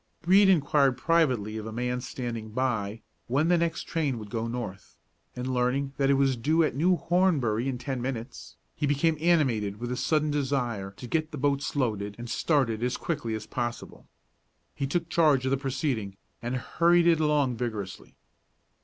Brede inquired privately of a man standing by when the next train would go north, and, learning that it was due at New Hornbury in about ten minutes, he became animated with a sudden desire to get the boats loaded and started as quickly as possible. He took charge of the proceeding, and hurried it along vigorously.